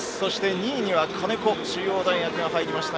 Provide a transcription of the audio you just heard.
２位には金子中央大学が入りました。